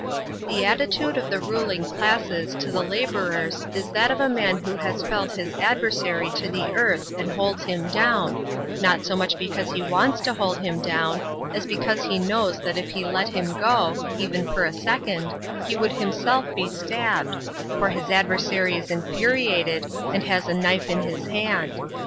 The attitude of the ruling classes to the laborers is that of a man who has felled his adversary to the earth and holds him down, not so much because he wants to hold him down, as because he knows that if he let him go, even for a second, he would himself be stabbed, for his adversary is infuriated and has a knife in his hand.